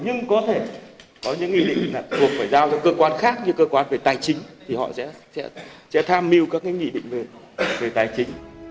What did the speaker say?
nhưng có thể có những nghị định là thuộc phải giao cho cơ quan khác như cơ quan về tài chính thì họ sẽ tham mưu các cái nghị định về tài chính